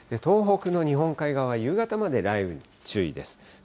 東北の日本海側、夕方まで雷雨に注意です。